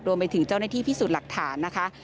รวมไปถึงเจ้าหน้าที่พิสูจน์หลักฐานนะคะ